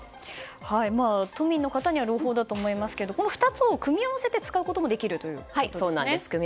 都民の方には朗報だと思いますけどもこの２つを組み合わせて使うこともできるということですね。